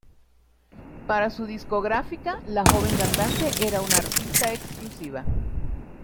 Para su discográfica la joven cantante era una artista exclusiva.